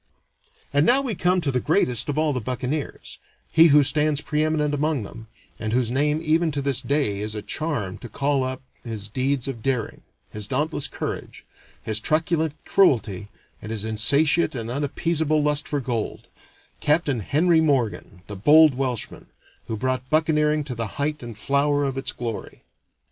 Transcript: And now we come to the greatest of all the buccaneers, he who stands pre eminent among them, and whose name even to this day is a charm to call up his deeds of daring, his dauntless courage, his truculent cruelty, and his insatiate and unappeasable lust for gold Capt. Henry Morgan, the bold Welshman, who brought buccaneering to the height and flower of its glory.